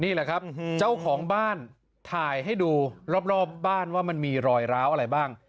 นี่แหละครับเจ้าของบ้านถ่ายให้ดูรอบบ้านว่ามันมีรอยร้าวอะไรบ้าง